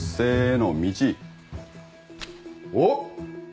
おっ！？